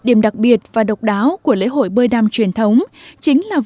điểm đặc biệt và độc đáo của lễ hội bơi đăm truyền thống chính là vụ này